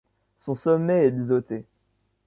Son sommet est biseauté.